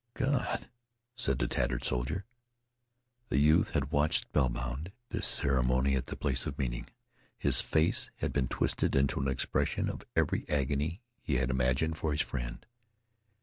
"God!" said the tattered soldier. The youth had watched, spellbound, this ceremony at the place of meeting. His face had been twisted into an expression of every agony he had imagined for his friend.